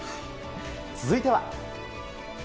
続いては。